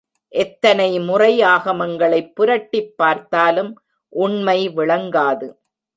எத்தனை முறை ஆகமங்களைப் புரட்டிப் பார்த்தாலும் உண்மை விளங்காது.